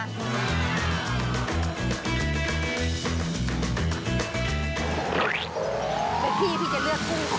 ดำที่พี่จะเลือกกุ้งก่อน